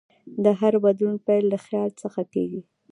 د هر بدلون پیل له خیال څخه کېږي.